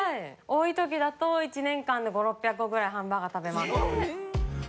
多い時だと１年間で５００６００個ぐらいハンバーガー食べます。